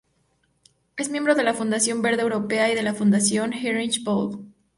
Es miembro de la Fundación Verde Europea y de la Fundación Heinrich Böll.